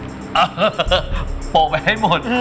เออโปะไปให้หมด